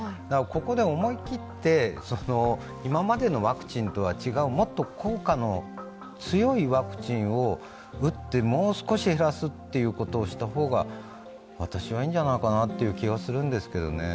ここで思い切って、今までのワクチンとは違うもっと効果の強いワクチンを打ってもう少し減らすっていうことをした方が私はいいんじゃないかなという気がするんですけどね。